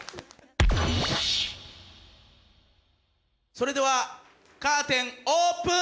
それではカーテンオープン！